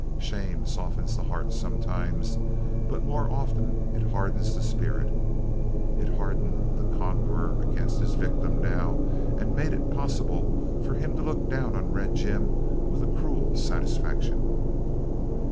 Shame softens the heart sometimes, but more often it hardens the spirit. It hardened the conqueror against his victim, now, and made it possible for him to look down on Red Jim with a cruel satisfaction.